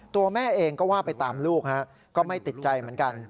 ตัวแม่เองก็ว่าไปตามลูกก็ไม่ติดใจเหมือนกัน